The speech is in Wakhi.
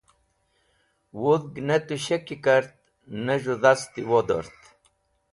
Wudhg ne tusheki kart, ne z̃hũ dasti wodort.